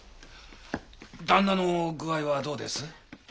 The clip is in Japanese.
旦那の具合はどうです？